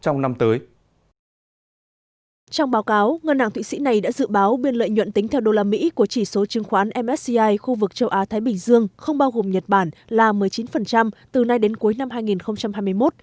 nguyện tính theo đô la mỹ của chỉ số chứng khoán msci khu vực châu á thái bình dương không bao gồm nhật bản là một mươi chín từ nay đến cuối năm hai nghìn hai mươi một